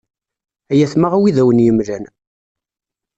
Ay atma a wi i d awen-yemlan.